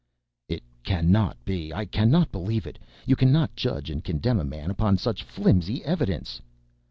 "It cannot be, I cannot believe it. You cannot judge and condemn a man upon such flimsy evidence."